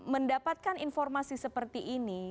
mendapatkan informasi seperti ini